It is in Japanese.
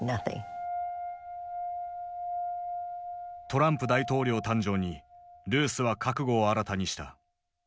トランプ大統領誕生にルースは覚悟を新たにした。